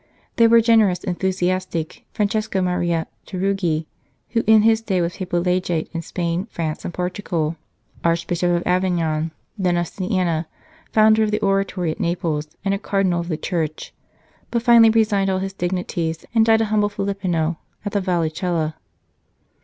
There was generous, enthusiastic Francesco Maria Tarugi, who in his day was Papal Legate in Spain, France, and Portugal ; Archbishop of Avignon, then of Sienna ; founder of the Oratory at Naples, and a Cardinal of the Church, but finally resigned all his dignities and died a humble Filippino at the Vallicella.